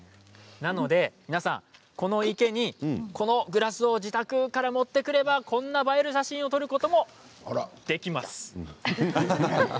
皆さん、この池にこのグラスを自宅から持ってくればこんな映えな写真を撮ることもできます。